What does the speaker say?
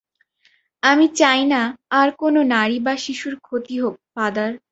আমি চাই না আর কোন নারী বা শিশুর ক্ষতি হোক, ফাদার।